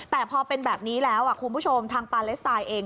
แต่พอเป็นแบบนี้แล้วคุณผู้ชมทางปาเลสไตน์เอง